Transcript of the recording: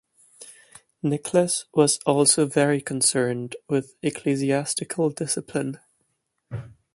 Nicholas was also very concerned with ecclesiastical discipline.